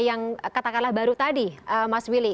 yang katakanlah baru tadi mas willy